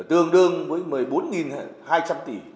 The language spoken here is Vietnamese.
tương đương với một mươi bốn hai trăm linh tỷ